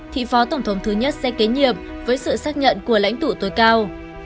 thì phó tổng thống thứ nhất sẽ kế nhiệm với sự xác nhận của lãnh tụ tối cao